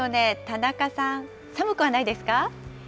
田中さん、寒くはないですか？